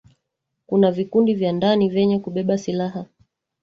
kuna vikundi vya ndani vyenye kubeba silaha